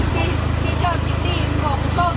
พี่ชอบจริงบอกว่าชอบทุก